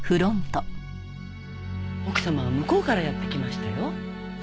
奥様は向こうからやって来ましたよ。